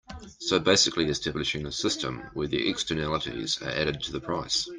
So basically establishing a system where the externalities are added to the price.